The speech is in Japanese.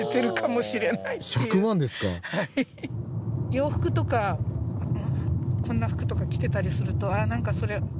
洋服とかこんな服とか着てたりするとああなんかそれ着てみたいなとか。